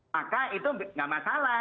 maka itu tidak masalah